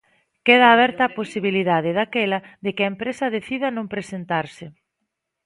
Queda aberta a posibilidade, daquela, de que a empresa decida non presentarse.